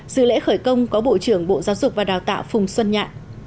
dự lễ khởi công có bộ trưởng bộ giáo dục và đào tạo phùng xuân nhạ